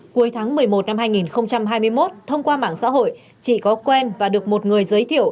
cuối tháng một mươi một năm hai nghìn hai mươi một thông qua mạng xã hội chị có quen và được một người giới thiệu